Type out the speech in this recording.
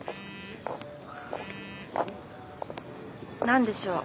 何でしょう？